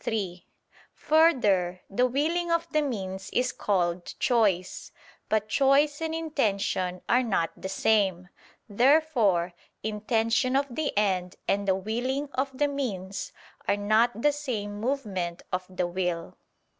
3: Further, the willing of the means is called choice. But choice and intention are not the same. Therefore intention of the end and the willing of the means are not the same movement of the will.